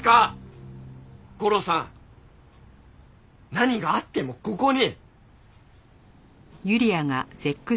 何があってもここに。